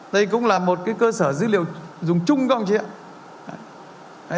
đây cũng là một cơ sở dữ liệu dùng chung các ông chị ạ